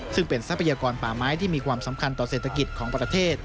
ซึ่งเป็นทรัพยากรป่าไม้ที่มีความสำคัญต่อเศรษฐกิจของประเทศ